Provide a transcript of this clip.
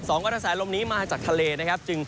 กระแสลมนี้มาจากทะเลนะครับ